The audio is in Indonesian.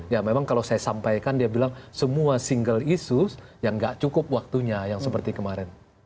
ya memang kalau saya sampaikan dia bilang semua single issues yang gak cukup waktunya yang seperti kemarin